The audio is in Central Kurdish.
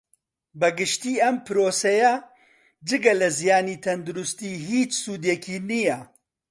بە گشتی ئەم پڕۆسەیە جگە لە زیانی تەندروستی ھیچ سودێکی نییە